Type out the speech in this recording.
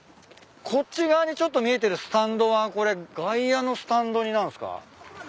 こっち側にちょっと見えてるスタンドはこれ外野のスタンドになるんすか？